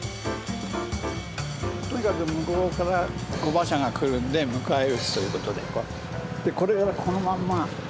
とにかく向こうから御馬車が来るんで迎え撃つという事でこれをこのまんま。